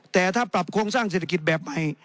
แต่ถ้าปรับโครงสร้างเศรษฐกิจแบบใหม่